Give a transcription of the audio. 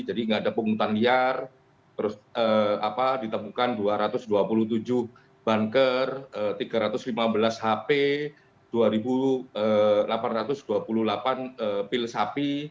jadi nggak ada pungutan liar ditemukan dua ratus dua puluh tujuh banker tiga ratus lima belas hp dua ribu delapan ratus dua puluh delapan pil sapi